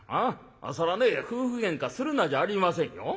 そらね夫婦げんかするなじゃありませんよ。